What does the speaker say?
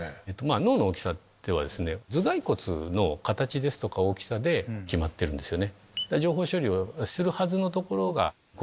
脳の大きさは頭蓋骨の形ですとか大きさで決まってるんですよね。